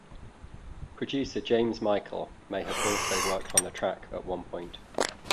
Producer James Michael may have also worked on the track at one point.